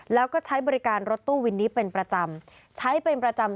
แล้วก็ใช้บริการรถตู้วินนี้เป็นประจำใช้เป็นประจำ